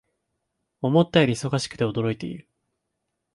思ったより忙しくて驚いている